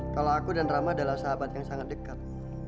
kalau aku dan rama adalah sahabat yang sangat dekat